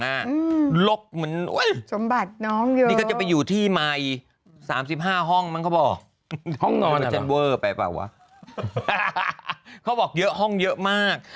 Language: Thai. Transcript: หลบเหมือนโอ๊ยนี่ก็จะไปอยู่ที่ไมค์๓๕ห้องมั้งเขาบอกเขาบอกเยอะห้องเยอะมาก